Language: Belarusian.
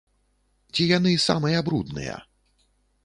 Ці яны самыя брудныя?